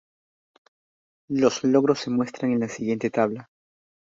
Los logros se muestran en la siguiente tabla.